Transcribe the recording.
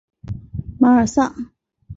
马尔萨。